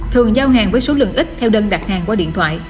thường giao hàng với số lượng ít theo đơn đặt hàng qua điện thoại